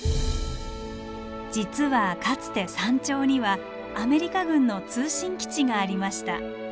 実はかつて山頂にはアメリカ軍の通信基地がありました。